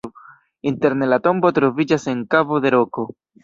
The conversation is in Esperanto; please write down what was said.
Interne la tombo troviĝas en kavo de roko.